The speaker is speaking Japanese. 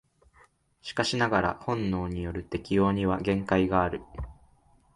しかしながら本能による適応には限界がある。